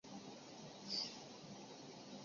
文革初期受到冲击。